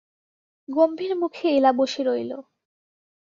গম্ভীর মুখে এলা বলে রইল।